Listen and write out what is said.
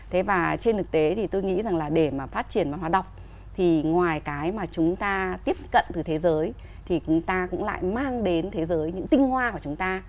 thế và trên thực tế thì tôi nghĩ rằng là để mà phát triển văn hóa đọc thì ngoài cái mà chúng ta tiếp cận từ thế giới thì chúng ta cũng lại mang đến thế giới những tinh hoa của chúng ta